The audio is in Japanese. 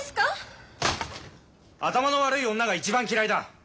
頭の悪い女が一番嫌いだ！